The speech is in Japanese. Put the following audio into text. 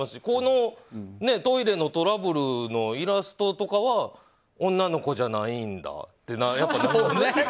このトイレのトラブルのイラストとかは女の子じゃないんだってなりますよね。